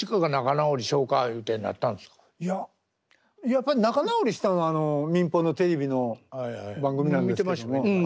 やっぱり仲直りしたのは民放のテレビの番組なんですけども。